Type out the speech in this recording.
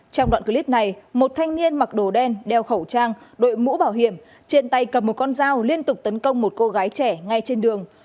trong đoạn clip này một thanh niên mặc đồ đen đeo khẩu trang đội mũ bảo hiểm trên tay cầm một con dao liên tục tấn công một cô gái trẻ ngay trên đường